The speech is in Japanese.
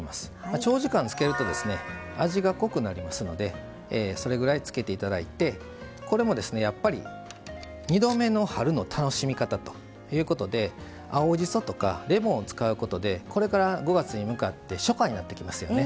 長時間つけると味が濃くなりますのでそれぐらい、つけていただいてこれも、やっぱり２度目の春の楽しみ方ということで青じそとかレモンを使うことでこれから５月に向かって初夏になりますよね。